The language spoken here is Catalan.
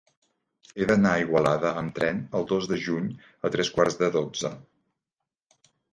He d'anar a Igualada amb tren el dos de juny a tres quarts de dotze.